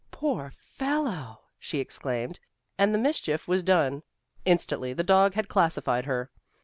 "Poor fellow!" she exclaimed, and the mischief was done. Instantly the dog had classified her.